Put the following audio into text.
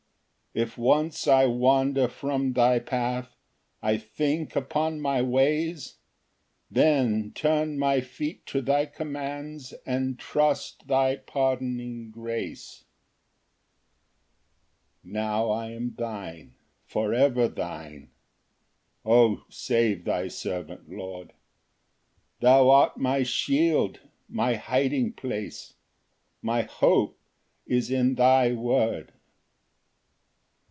Ver. 59. 4 If once I wander from thy path, I think upon my ways, Then turn my feet to thy commands, And trust thy pardoning grace. Ver. 94 114. 5 Now I am thine, for ever thine, O save thy servant, Lord; Thou art my shield, my hiding place, My hope is in thy word.